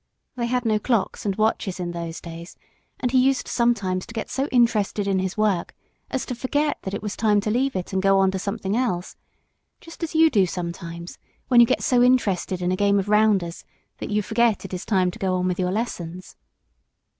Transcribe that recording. They had no clocks and watches in those days, and he used sometimes to get so interested in his work as to forget that it was time to leave it and go on to something else, just as you do sometimes when you get so interested in a game of rounders that you forget that it is time to go on with your lessons.